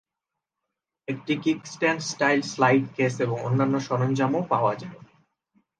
একটি kickstand style slide case এবং অন্যান্য সরঞ্জামও পাওয়া যায়।